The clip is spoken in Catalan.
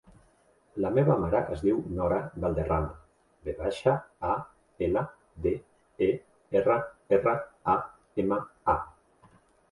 La meva mare es diu Nora Valderrama: ve baixa, a, ela, de, e, erra, erra, a, ema, a.